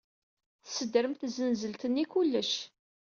Tessedrem tzenzelt-nni kullec.